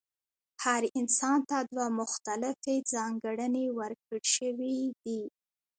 هر انسان ته دوه مختلفې ځانګړنې ورکړل شوې دي.